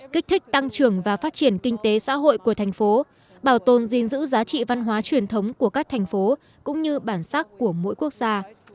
kích thích tăng trưởng và phát triển kinh tế xã hội của thành phố bảo tồn gìn giữ giá trị văn hóa truyền thống của các thành phố cũng như bản sắc của mỗi quốc gia